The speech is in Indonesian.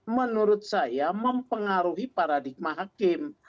menurut saya mempengaruhi paradigma hakim